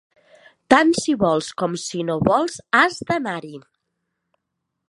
Tant si vols com si no vols has d'anar-hi.